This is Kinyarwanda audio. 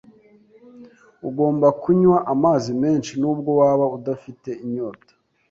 Ugomba kunywa amazi menshi, nubwo waba udafite inyota.